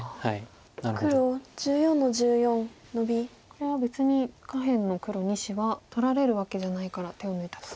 これは別に下辺の黒２子は取られるわけじゃないから手を抜いたと。